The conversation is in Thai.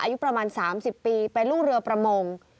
อายุประมาณ๓๐ปีเป็นลูกเรือประมง